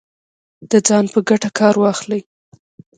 د ځان په ګټه کار واخلي